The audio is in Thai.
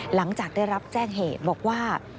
หลังจากได้รับแจ้งเหตุบอกว่า